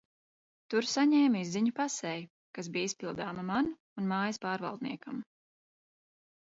Tur saņēmu izziņu pasei, kas bija izpildāma man un mājas pārvaldniekam.